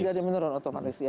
ya jadi menurun otomatis